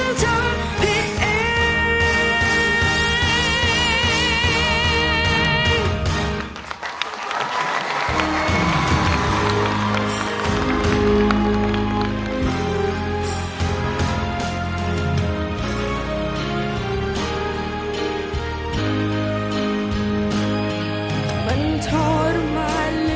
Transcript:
แต่ฉันทำผิด็พลวงแล้วทุกคนก็กลับไว้ฏ่น